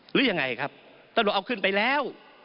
หรือยังไงครับตำรวจเอาขึ้นไปแล้ว